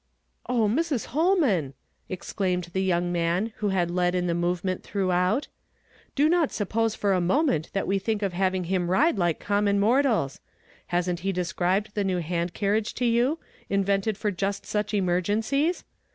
"O Mrs. Holman !" exclaimed the young man who had led in the movement throughout; "do not suppose for a moment that we think of having him ride like common mortals. Hasn't lie de scribed the new hand carriage to you, invented for just such emergencies